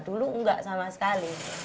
dulu enggak sama sekali